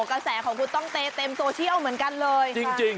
กระแสของคุณต้องเตเต็มโซเชียลเหมือนกันเลยจริง